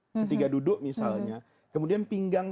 ketika duduk misalnya kemudian pinggang